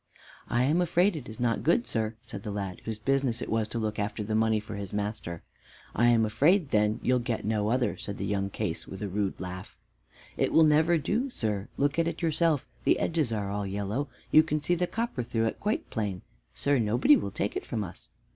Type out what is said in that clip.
"I am afraid It is not good, sir," said the lad, whose business it was to look at the money for his master. "I am afraid, then, you'll get no other," said young Case, with a rude laugh. "It never will do, sir, look at it yourself; the edges are all yellow. You can see the copper through it quite plain. Sir, nobody will take it from us."